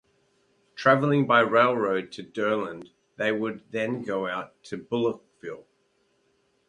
Traveling by railroad to Durand, they would then go to Bullochville.